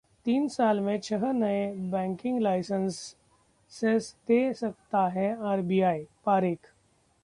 तीन साल में छह नए बैंकिंग लाइसंेस दे सकता है आरबीआई: पारेख